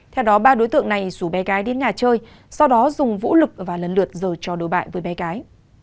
theo đó ba đối tượng này rủ bé gái đến nhà chơi sau đó dùng vũ lực và lần lượt rồi cho đối bại với bé gái